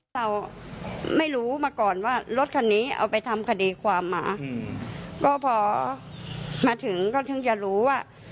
เราไม่รู้มาก่อนว่ารถคันนี้เอาไปทำคดีความมาอืมก็พอมาถึงก็ถึงจะรู้ว่า